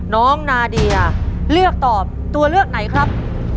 น้องนาเดียเลือกตอบตัวเลือกไหนครับ